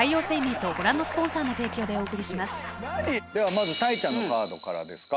まずたいちゃんのカードからですか。